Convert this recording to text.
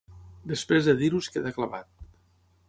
Després de dir-ho es queda clavat.